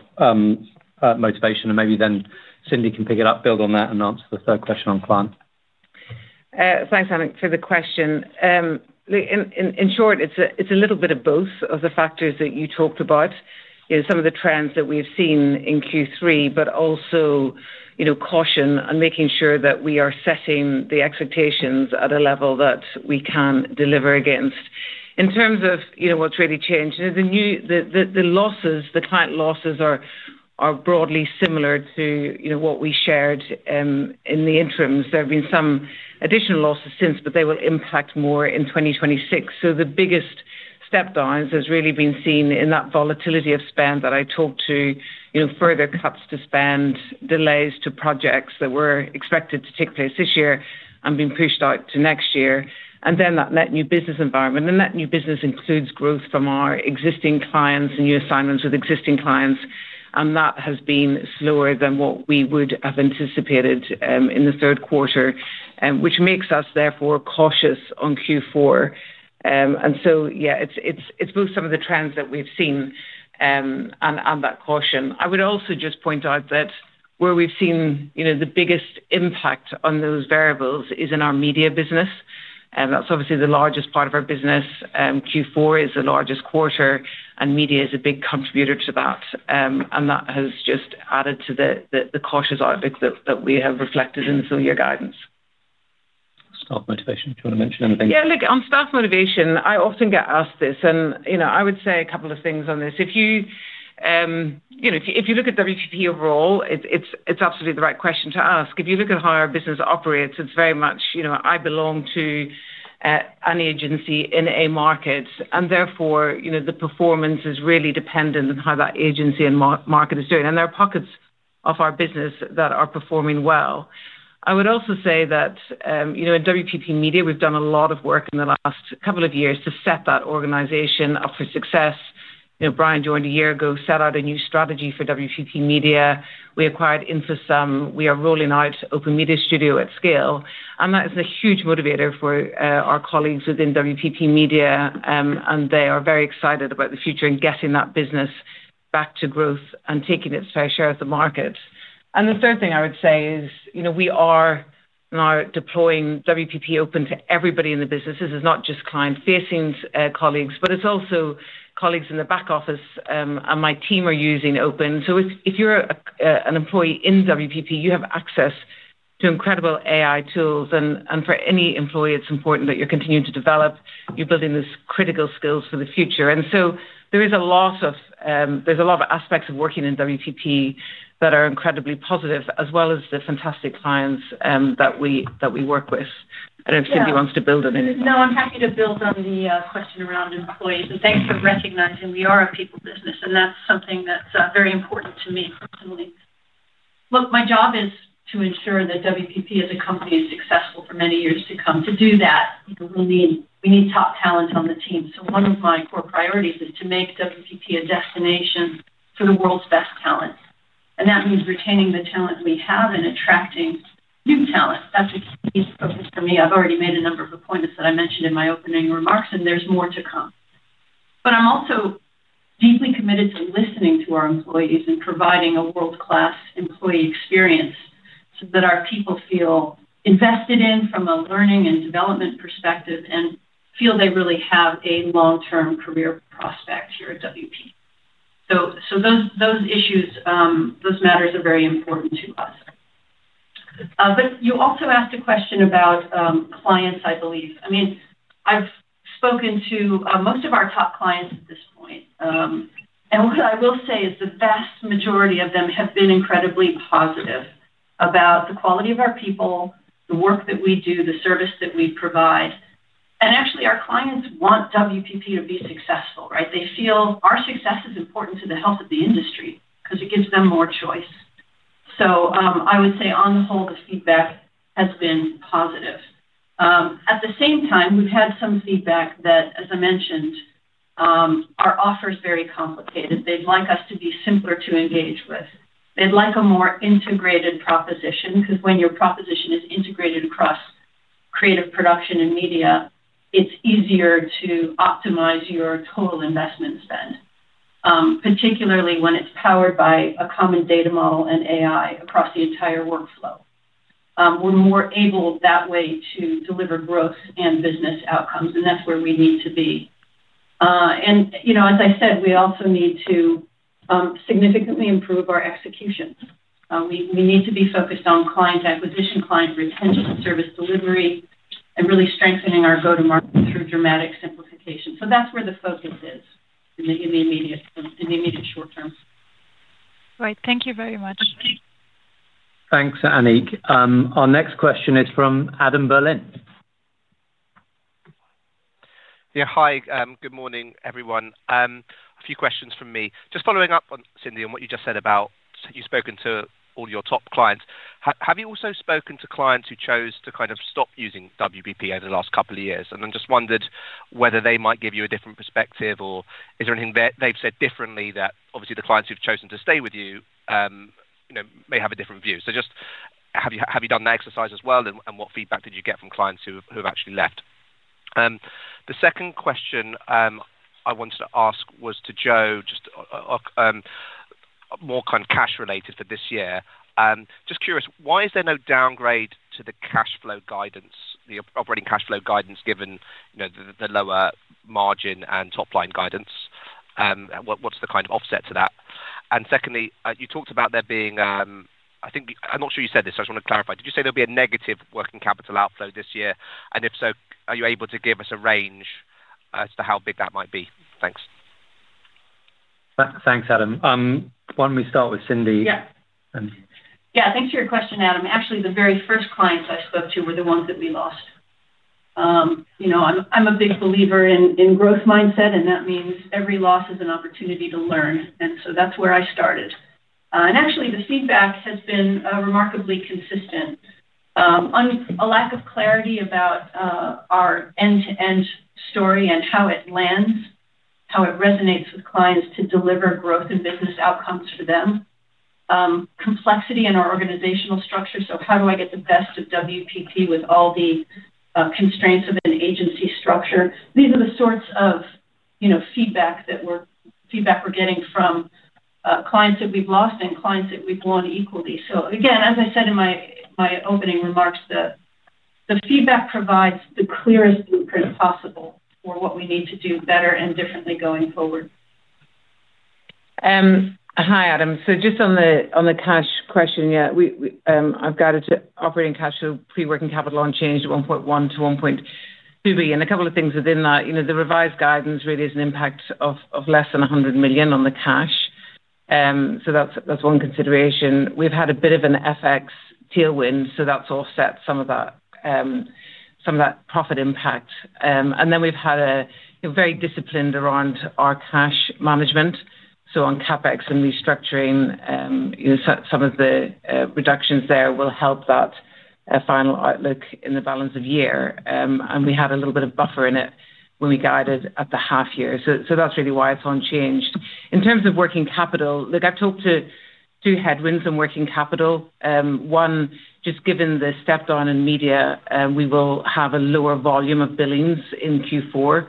motivation, and maybe then Cindy can pick it up, build on that, and answer the third question on clients. Thanks, Annick, for the question. In short, it's a little bit of both of the factors that you talked about. Some of the trends that we've seen in Q3, but also, you know, caution and making sure that we are setting the expectations at a level that we can deliver against. In terms of what's really changed, the losses, the client losses are broadly similar to what we shared in the interims. There have been some additional losses since, but they will impact more in 2026. The biggest stepdowns have really been seen in that volatility of spend that I talked to, further cuts to spend, delays to projects that were expected to take place this year and being pushed out to next year. That net new business environment, and that new business includes growth from our existing clients and new assignments with existing clients, has been slower than what we would have anticipated in the third quarter, which makes us therefore cautious on Q4. It's both some of the trends that we've seen and that caution. I would also just point out that where we've seen the biggest impact on those variables is in our media business. That's obviously the largest part of our business. Q4 is the largest quarter, and media is a big contributor to that. That has just added to the cautious outlook that we have reflected in the full year guidance. Staff motivation, do you want to mention anything? Yeah, look, on staff motivation, I often get asked this, and I would say a couple of things on this. If you look at WPP overall, it's absolutely the right question to ask. If you look at how our business operates, it's very much, you know, I belong to an agency in a market, and therefore, the performance is really dependent on how that agency and market is doing. There are pockets of our business that are performing well. I would also say that in WPP Media, we've done a lot of work in the last couple of years to set that organization up for success. Brian joined a year ago, set out a new strategy for WPP Media. We acquired InfoSum. We are rolling out Open Media Studio at scale, and that is a huge motivator for our colleagues within WPP Media, and they are very excited about the future and getting that business back to growth and taking its fair share of the market. The third thing I would say is we are now deploying WPP Open to everybody in the business. This is not just client-facing colleagues, but it's also colleagues in the back office, and my team are using Open. If you're an employee in WPP, you have access to incredible AI tools, and for any employee, it's important that you're continuing to develop. You're building these critical skills for the future. There are a lot of aspects of working in WPP that are incredibly positive, as well as the fantastic clients that we work with. I don't know if Cindy wants to build on anything. No, I'm happy to build on the question around employees, and thanks for recognizing we are a people business, and that's something that's very important to me personally. Look, my job is to ensure that WPP as a company is successful for many years to come. To do that, we need top talent on the team. One of my core priorities is to make WPP a destination for the world's best talent. That means retaining the talent we have and attracting new talent. That's a key focus for me. I've already made a number of appointments that I mentioned in my opening remarks, and there's more to come. I'm also deeply committed to listening to our employees and providing a world-class employee experience so that our people feel invested in from a learning and development perspective and feel they really have a long-term career prospect here at WPP. Those issues, those matters are very important to us. You also asked a question about clients, I believe. I've spoken to most of our top clients at this point. What I will say is the vast majority of them have been incredibly positive about the quality of our people, the work that we do, the service that we provide. Actually, our clients want WPP to be successful, right? They feel our success is important to the health of the industry because it gives them more choice. I would say on the whole, the feedback has been positive. At the same time, we've had some feedback that, as I mentioned, our offer is very complicated. They'd like us to be simpler to engage with. They'd like a more integrated proposition because when your proposition is integrated across creative production and media, it's easier to optimize your total investment spend, particularly when it's powered by a common data model and AI across the entire workflow. We're more able that way to deliver growth and business outcomes, and that's where we need to be. You know, as I said, we also need to significantly improve our executions. We need to be focused on client acquisition, client retention, service delivery, and really strengthening our go-to-market through dramatic simplification. That's where the focus is in the immediate short term. Right, thank you very much. Thanks, Annick. Our next question is from Adam Berlin. Yeah, hi. Good morning, everyone. A few questions from me. Just following up on Cindy and what you just said about you've spoken to all your top clients. Have you also spoken to clients who chose to kind of stop using WPP over the last couple of years? I just wondered whether they might give you a different perspective or is there anything that they've said differently that obviously the clients who've chosen to stay with you, you know, may have a different view. Just have you done that exercise as well and what feedback did you get from clients who have actually left? The second question I wanted to ask was to Joanne, just more kind of cash-related for this year. Just curious, why is there no downgrade to the cash flow guidance, the operating cash flow guidance given, you know, the lower margin and top-line guidance? What's the kind of offset to that? Secondly, you talked about there being, I think I'm not sure you said this, so I just want to clarify. Did you say there'll be a negative working capital outflow this year? If so, are you able to give us a range as to how big that might be? Thanks. Thanks, Adam. Why don't we start with Cindy? Yeah, thanks for your question, Adam. Actually, the very first clients I spoke to were the ones that we lost. I'm a big believer in growth mindset, and that means every loss is an opportunity to learn. That's where I started. Actually, the feedback has been remarkably consistent on a lack of clarity about our end-to-end story and how it lands, how it resonates with clients to deliver growth and business outcomes for them. Complexity in our organizational structure, so how do I get the best of WPP with all the constraints of an agency structure? These are the sorts of feedback that we're getting from clients that we've lost and clients that we've won equally. As I said in my opening remarks, the feedback provides the clearest blueprint possible for what we need to do better and differently going forward. Hi, Adam. So just on the cash question, yeah, I've got it. Operating cash flow, pre-working capital unchanged at 1.1 - 1.2 billion. A couple of things within that, you know, the revised guidance really is an impact of less than 100 million on the cash. That's one consideration. We've had a bit of an FX tailwind, so that's offset some of that profit impact. We've had a very disciplined approach around our cash management. On CapEx and restructuring, some of the reductions there will help that final outlook in the balance of year. We had a little bit of buffer in it when we guided at the half year. That's really why it's unchanged. In terms of working capital, look, I've talked to two headwinds in working capital. One, just given the stepdown in media, we will have a lower volume of billings in Q4.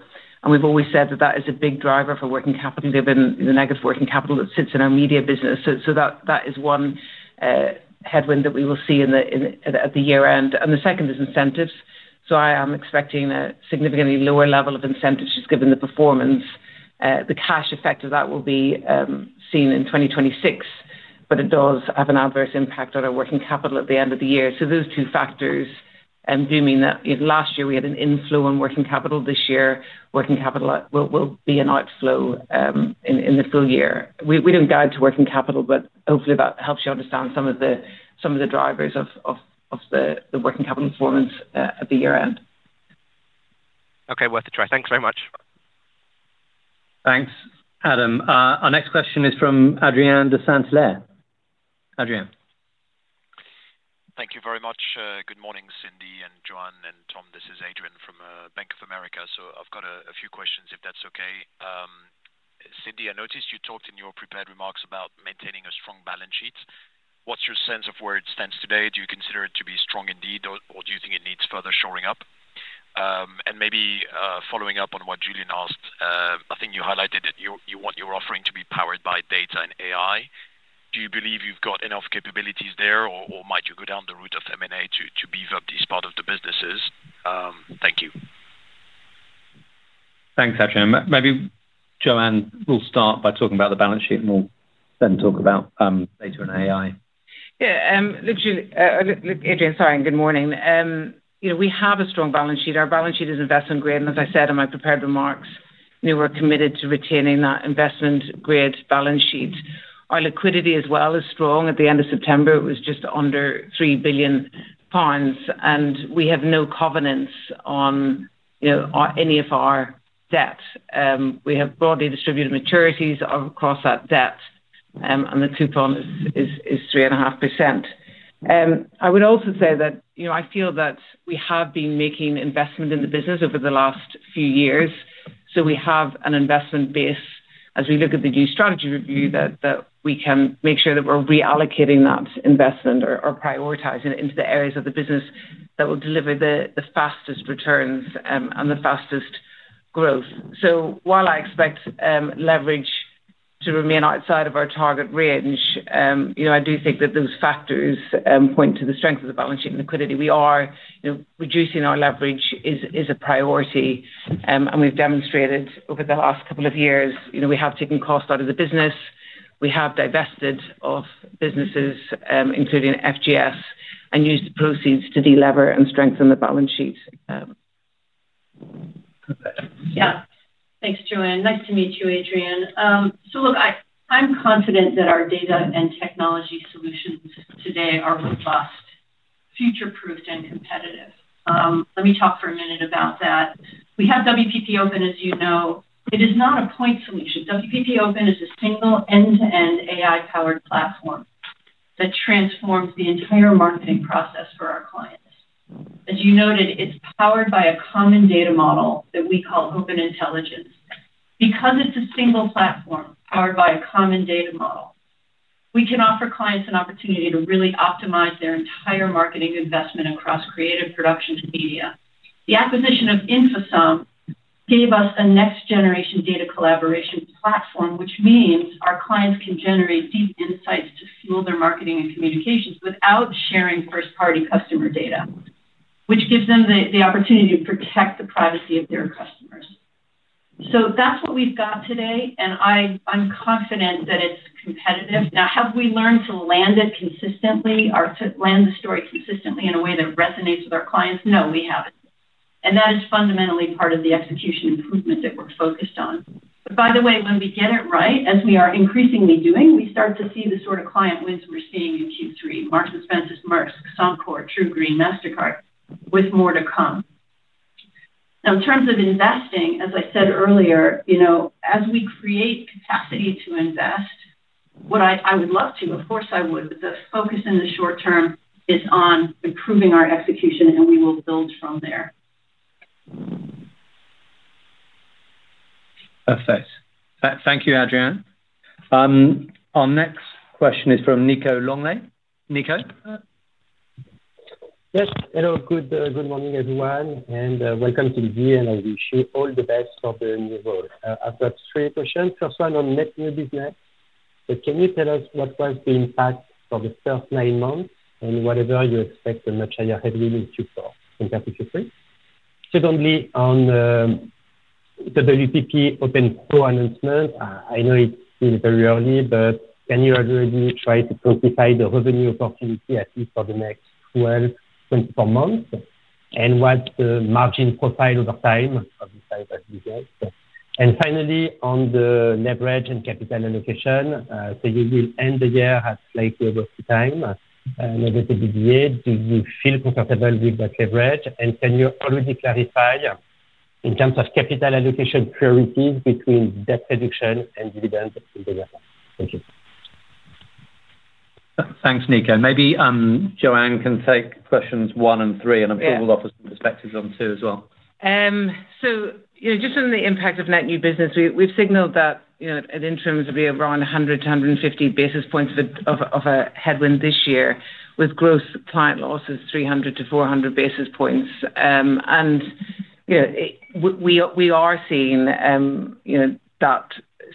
We've always said that is a big driver for working capital, given the negative working capital that sits in our media business. That is one headwind that we will see at the year-end. The second is incentives. I am expecting a significantly lower level of incentives, just given the performance. The cash effect of that will be seen in 2026, but it does have an adverse impact on our working capital at the end of the year. Those two factors do mean that last year we had an inflow on working capital. This year, working capital will be an outflow in the full year. We don't guide to working capital, but hopefully that helps you understand some of the drivers of the working capital performance at the year-end. Okay, worth a try. Thanks very much. Thanks, Adam. Our next question is from Adrien de Saint Hilaire. Adrien. Thank you very much. Good morning, Cindy and Joanne and Tom. This is Adrien from Bank of America. I've got a few questions, if that's okay. Cindy, I noticed you talked in your prepared remarks about maintaining a strong balance sheet. What's your sense of where it stands today? Do you consider it to be strong indeed, or do you think it needs further shoring up? Following up on what Julien asked, I think you highlighted that you want your offering to be powered by data and AI. Do you believe you've got enough capabilities there, or might you go down the route of M&A to beef up this part of the businesses? Thank you. Thanks, Adrien. Maybe Joanne will start by talking about the balance sheet, and we'll then talk about data and AI. Yeah. Adrien, sorry, and good morning. You know, we have a strong balance sheet. Our balance sheet is investment-grade, and as I said in my prepared remarks, we're committed to retaining that investment-grade balance sheet. Our liquidity as well is strong. At the end of September, it was just under 3 billion pounds, and we have no covenants on any of our debt. We have broadly distributed maturities across that debt, and the coupon is 3.5%. I would also say that I feel that we have been making investment in the business over the last few years. We have an investment base. As we look at the new strategy review, we can make sure that we're reallocating that investment or prioritizing it into the areas of the business that will deliver the fastest returns and the fastest growth. While I expect leverage to remain outside of our target range, I do think that those factors point to the strength of the balance sheet and liquidity. We are reducing our leverage as a priority, and we've demonstrated over the last couple of years, we have taken costs out of the business. We have divested of businesses, including FGS Global, and used the proceeds to delever and strengthen the balance sheet. Yeah. Thanks, Joanne. Nice to meet you, Adrien. I'm confident that our data and technology solutions today are robust, future-proofed, and competitive. Let me talk for a minute about that. We have WPP Open, as you know. It is not a point solution. WPP Open is a single end-to-end AI-powered platform that transforms the entire marketing process for our clients. As you noted, it's powered by a common data model that we call Open Intelligence. Because it's a single platform powered by a common data model, we can offer clients an opportunity to really optimize their entire marketing investment across creative production and media. The acquisition of InfoSum gave us a next-generation data collaboration platform, which means our clients can generate deep insights to fuel their marketing and communications without sharing first-party customer data, which gives them the opportunity to protect the privacy of their customers. That's what we've got today, and I'm confident that it's competitive. Have we learned to land it consistently or land the story consistently in a way that resonates with our clients? No, we haven't. That is fundamentally part of the execution improvement that we're focused on. By the way, when we get it right, as we are increasingly doing, we start to see the sort of client wins we're seeing in Q3: Marks & Spencer, Maersk, Suncorp, TruGreen, MasterCard, with more to come. In terms of investing, as I said earlier, as we create capacity to invest, what I would love to, of course, I would, but the focus in the short term is on improving our execution, and we will build from there. Perfect. Thank you, Adrien. Our next question is from Nico Langlet. Nico. Yes. Hello. Good morning, everyone, and welcome to the VML, and I wish you all the best for the new role. I've got three questions. First one on net new business. Can you tell us what was the impact for the first nine months and whether you expect a much higher headwind in Q4 compared to Q3? Secondly, on the WPP Open Pro announcement, I know it's still very early, but can you already try to quantify the revenue opportunity at least for the next 12 - 24 months? What's the margin profile over time of the size of the business? Finally, on the leverage and capital allocation, you will end the year at slightly over two times over the EBITDA. Do you feel comfortable with that leverage? Can you already clarify in terms of capital allocation priorities between debt reduction and dividends in the year? Thank you. Thanks, Nico. Maybe Joanne can take questions one and three. I'm sure we'll offer some perspectives on two as well. Just on the impact of net new business, we've signaled that in interims, it'll be around 100- 150 basis points of a headwind this year, with gross client losses 300 - 400 basis points. We are seeing that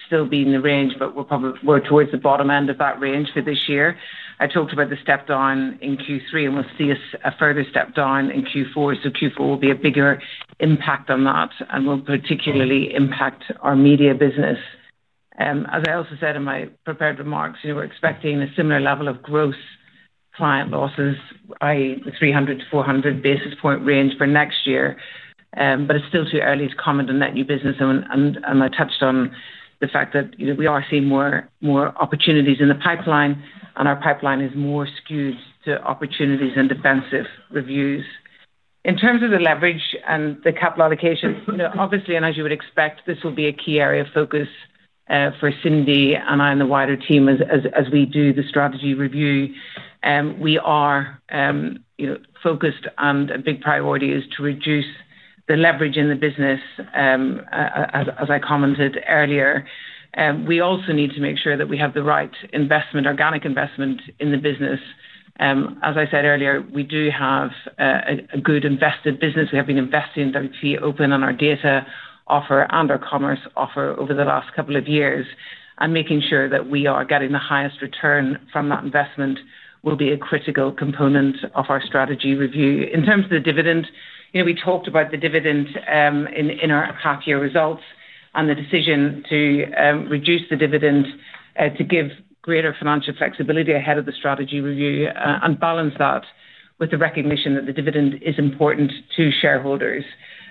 still be in the range, but we're probably towards the bottom end of that range for this year. I talked about the stepdown in Q3, and we'll see a further stepdown in Q4. Q4 will be a bigger impact on that, and will particularly impact our media business. As I also said in my prepared remarks, we're expecting a similar level of gross client losses, i.e., the 300 - 400 basis point range for next year, but it's still too early to comment on that new business. I touched on the fact that we are seeing more opportunities in the pipeline, and our pipeline is more skewed to opportunities and defensive reviews. In terms of the leverage and the capital allocation, obviously, and as you would expect, this will be a key area of focus for Cindy and I and the wider team as we do the strategy review. We are focused, and a big priority is to reduce the leverage in the business, as I commented earlier. We also need to make sure that we have the right organic investment in the business. As I said earlier, we do have a good invested business. We have been investing in WPP Open on our data offer and our commerce offer over the last couple of years. Making sure that we are getting the highest return from that investment will be a critical component of our strategy review. In terms of the dividend, we talked about the dividend in our half-year results and the decision to reduce the dividend to give greater financial flexibility ahead of the strategy review and balance that with the recognition that the dividend is important to shareholders.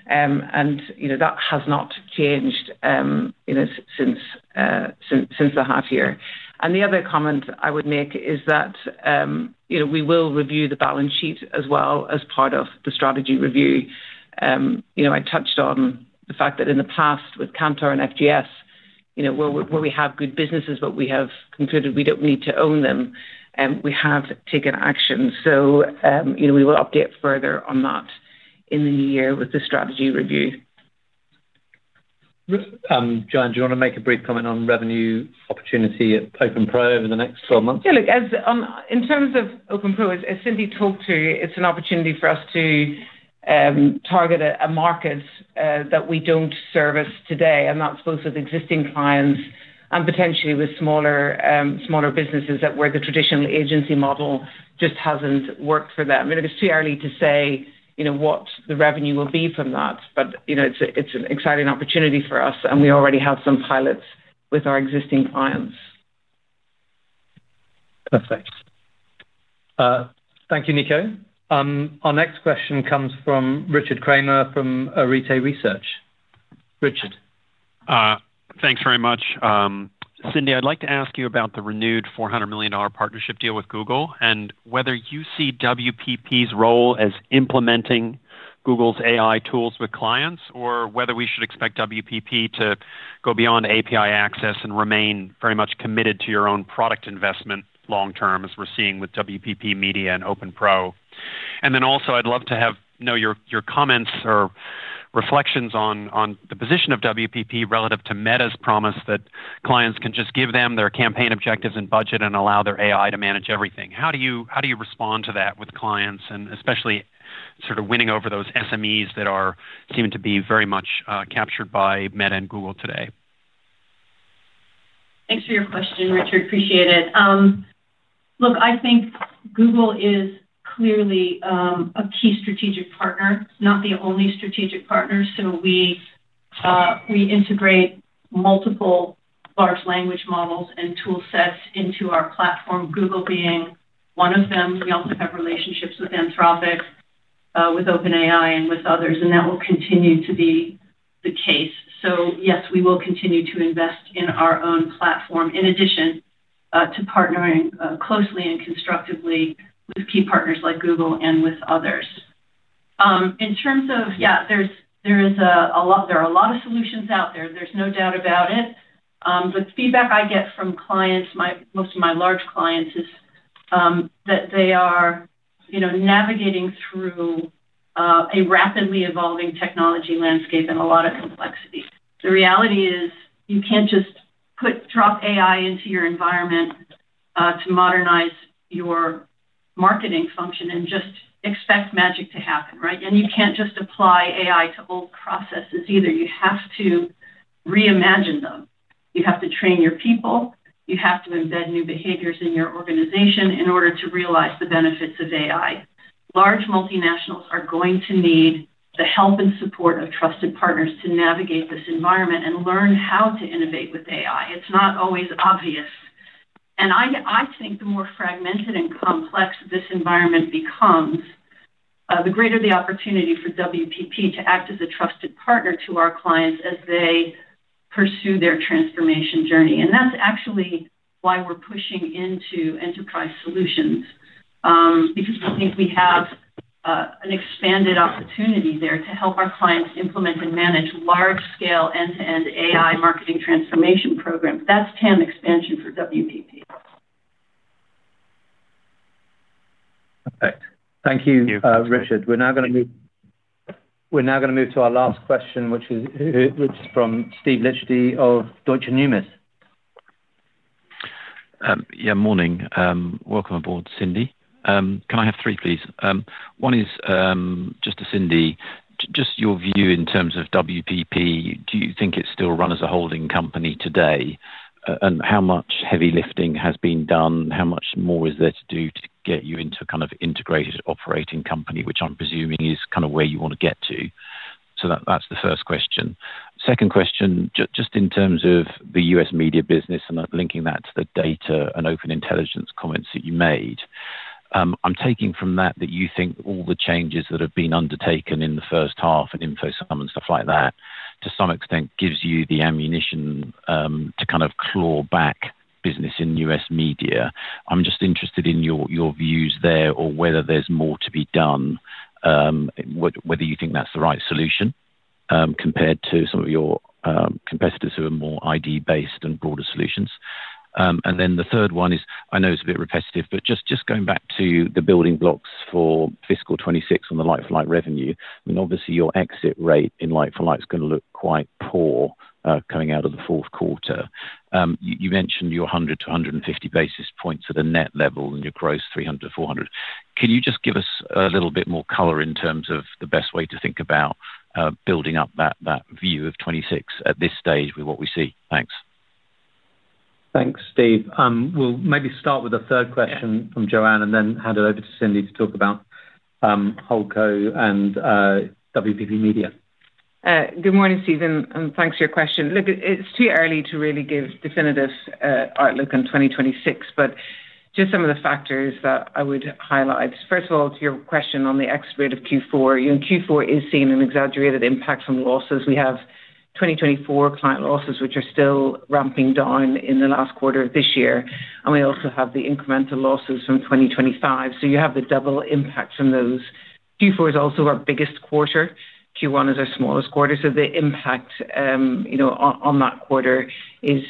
That has not changed since the half year. The other comment I would make is that we will review the balance sheet as well as part of the strategy review. I touched on the fact that in the past with Kantar and FGS Global, where we have good businesses, but we have concluded we don't need to own them, we have taken action. We will update further on that in the new year with the strategy review. Joanne, do you want to make a brief comment on revenue opportunity at WPP Open Pro over the next 12 months? Yeah, look, in terms of WPP Open Pro, as Cindy talked to, it's an opportunity for us to target a market that we don't service today, and that's both with existing clients and potentially with smaller businesses where the traditional agency model just hasn't worked for them. It's too early to say what the revenue will be from that, but it's an exciting opportunity for us, and we already have some pilots with our existing clients. Perfect. Thank you, Nico. Our next question comes from Richard Kramer from Arete Research. Richard. Thanks very much. Cindy, I'd like to ask you about the renewed $400 million partnership deal with Google and whether you see WPP's role as implementing Google's AI tools with clients or whether we should expect WPP to go beyond API access and remain very much committed to your own product investment long-term, as we're seeing with WPP Media and Open Pro. I'd love to know your comments or reflections on the position of WPP relative to Meta's promise that clients can just give them their campaign objectives and budget and allow their AI to manage everything. How do you respond to that with clients and especially sort of winning over those SMBs that seem to be very much captured by Meta and Google today? Thanks for your question, Richard. Appreciate it. I think Google is clearly a key strategic partner. It's not the only strategic partner. We integrate multiple large language models and tool sets into our platform, Google being one of them. We also have relationships with Anthropic, with Open AI, and with others, and that will continue to be the case. Yes, we will continue to invest in our own platform in addition to partnering closely and constructively with key partners like Google and with others. There are a lot of solutions out there. There's no doubt about it. The feedback I get from clients, most of my large clients, is that they are navigating through a rapidly evolving technology landscape and a lot of complexity. The reality is you can't just drop AI into your environment to modernize your marketing function and just expect magic to happen, right? You can't just apply AI to old processes either. You have to reimagine them. You have to train your people. You have to embed new behaviors in your organization in order to realize the benefits of AI. Large multinationals are going to need the help and support of trusted partners to navigate this environment and learn how to innovate with AI. It's not always obvious. I think the more fragmented and complex this environment becomes, the greater the opportunity for WPP to act as a trusted partner to our clients as they pursue their transformation journey. That's actually why we're pushing into enterprise solutions, because we think we have an expanded opportunity there to help our clients implement and manage large-scale end-to-end AI marketing transformation programs. That's TAM expansion for WPP. Perfect. Thank you, Richard. We're now going to move to our last question, which is from Steven Liechti of Deutsche Numis. Yeah, morning. Welcome aboard, Cindy. Can I have three, please? One is just to Cindy, just your view in terms of WPP. Do you think it's still run as a holding company today? How much heavy lifting has been done? How much more is there to do to get you into a kind of integrated operating company, which I'm presuming is kind of where you want to get to? That's the first question. Second question, just in terms of the U.S. media business and linking that to the data and open intelligence comments that you made, I'm taking from that that you think all the changes that have been undertaken in the first half and InfoSum and stuff like that, to some extent, gives you the ammunition to kind of claw back business in U.S. media. I'm just interested in your views there or whether there's more to be done, whether you think that's the right solution compared to some of your competitors who are more ID-based and broader solutions. The third one is, I know it's a bit repetitive, just going back to the building blocks for fiscal 2026 on the like-for-like revenue. Obviously, your exit rate in like-for-like is going to look quite poor coming out of the fourth quarter. You mentioned your 100 - 150 basis points at a net level and your gross 300 - 400. Can you just give us a little bit more color in terms of the best way to think about building up that view of 2026 at this stage with what we see? Thanks. Thanks, Steve. We'll maybe start with a third question from Joanne and then hand it over to Cindy to talk about Holdco and WPP Media. Good morning, Steven, and thanks for your question. Look, it's too early to really give a definitive outlook on 2026, but just some of the factors that I would highlight. First of all, to your question on the exit rate of Q4, in Q4 is seeing an exaggerated impact from losses. We have 2024 client losses, which are still ramping down in the last quarter of this year, and we also have the incremental losses from 2025. You have the double impact from those. Q4 is also our biggest quarter. Q1 is our smallest quarter. The impact on that quarter is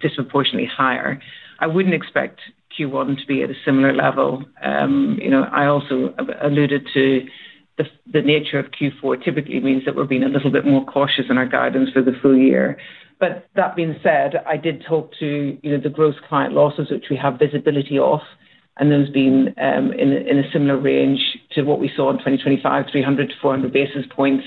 disproportionately higher. I wouldn't expect Q1 to be at a similar level. I also alluded to the nature of Q4 typically means that we're being a little bit more cautious in our guidance for the full year. That being said, I did talk to the gross client losses, which we have visibility of, and those being in a similar range to what we saw in 2025, 300 - 400 basis points,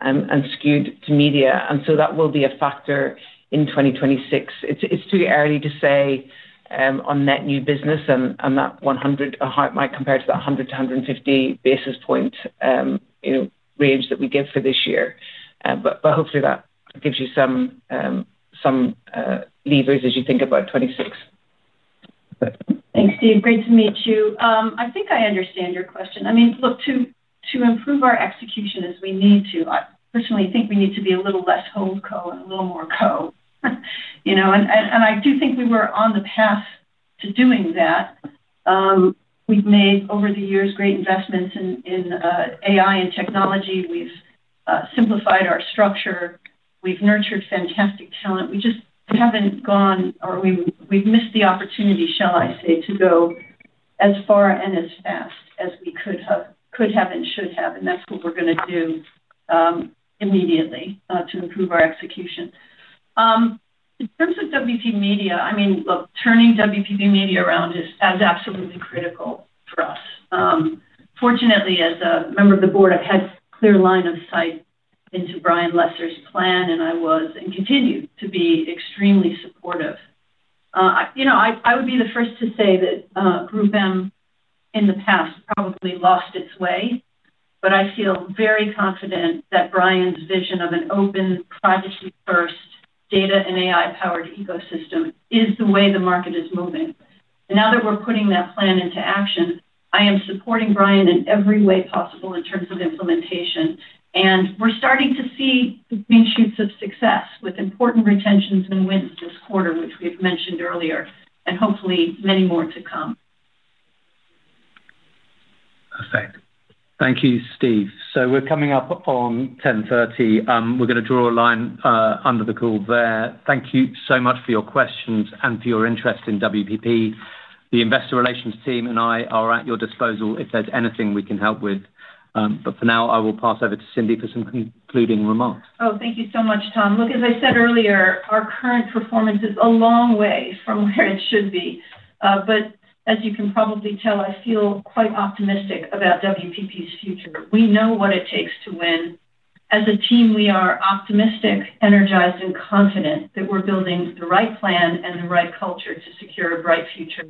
and skewed to media. That will be a factor in 2026. It's too early to say on net new business and that 100, how it might compare to that 100 - 150 basis point range that we give for this year. Hopefully, that gives you some levers as you think about 2026. Thanks, Steve. Great to meet you. I think I understand your question. I mean, look, to improve our execution as we need to, I personally think we need to be a little less Holdco and a little more Co. I do think we were on the path to doing that. We've made over the years great investments in AI and technology. We've simplified our structure. We've nurtured fantastic talent. We just haven't gone, or we've missed the opportunity, shall I say, to go as far and as fast as we could have and should have, and that's what we're going to do immediately to improve our execution. In terms of WPP Media, I mean, look, turning WPP Media around is absolutely critical for us. Fortunately, as a member of the board, I've had a clear line of sight into Brian Lesser's plan, and I was and continue to be extremely supportive. I would be the first to say that GroupM in the past probably lost its way, but I feel very confident that Brian's vision of an open, privacy-first data and AI-powered ecosystem is the way the market is moving. Now that we're putting that plan into action, I am supporting Brian in every way possible in terms of implementation, and we're starting to see the green shoots of success with important retentions and wins this quarter, which we've mentioned earlier, and hopefully many more to come. Perfect. Thank you, Steve. We're coming up on 10:30 A.M. We're going to draw a line under the call there. Thank you so much for your questions and for your interest in WPP. The Investor Relations team and I are at your disposal if there's anything we can help with. For now, I will pass over to Cindy for some concluding remarks. Thank you so much, Tom. As I said earlier, our current performance is a long way from where it should be. As you can probably tell, I feel quite optimistic about WPP's future. We know what it takes to win. As a team, we are optimistic, energized, and confident that we're building the right plan and the right culture to secure a bright future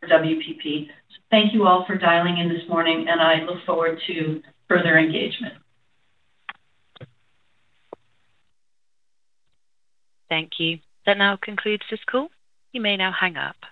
for WPP. Thank you all for dialing in this morning, and I look forward to further engagement. Thank you. That now concludes this call. You may now hang up.